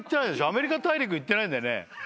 アメリカ大陸行ってないんだよね？